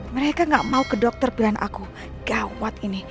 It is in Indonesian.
mereka gak mau ke dokter pilihan aku gawat ini